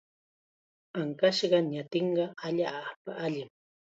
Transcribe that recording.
Ankashqa ñatinqa allaapa allim.